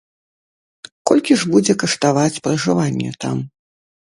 Колькі ж будзе каштаваць пражыванне там?